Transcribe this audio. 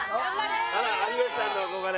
あら有吉さんの憧れ。